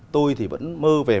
tôi thì vẫn mơ về